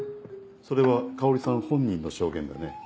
それは香織さん本人の証言だね？